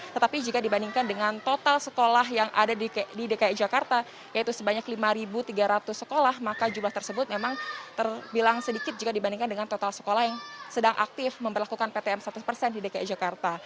tetapi jika dibandingkan dengan total sekolah yang ada di dki jakarta yaitu sebanyak lima tiga ratus sekolah maka jumlah tersebut memang terbilang sedikit jika dibandingkan dengan total sekolah yang sedang aktif memperlakukan ptm seratus persen di dki jakarta